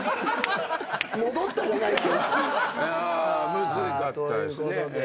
むずかったですね。